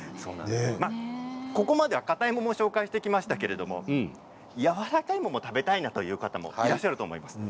ここまで、かたい桃を紹介しましたがやわらかい桃を食べたいという方いらっしゃると思います。